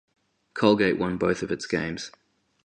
Colgate won both of its games.